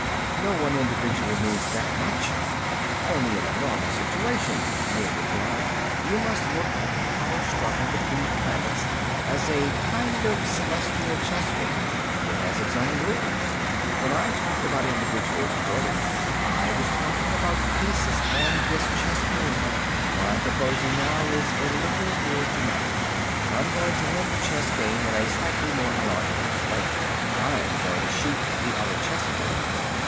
No one individual means that much." "Only in a normal situation," Neel explained. "You must look at the power struggle between planets as a kind of celestial chess game. It has its own rules. When I talked about individuals earlier I was talking about pieces on this chessboard. What I'm proposing now is a little more dramatic. I'm going to win the chess game in a slightly more unorthodox way. I'm going to shoot the other chess player."